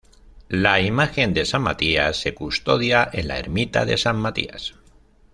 La imagen de San Matías se custodia en la ermita de San Matías.